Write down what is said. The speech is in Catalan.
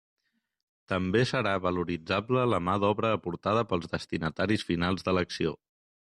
També serà valoritzable la mà d'obra aportada pels destinataris finals de l'acció.